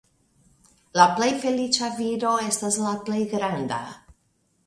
La plej feliĉa viro estas la plej granda.